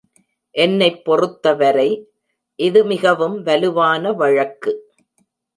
என்னைப் பொறுத்தவரை, இது மிகவும் வலுவான வழக்கு.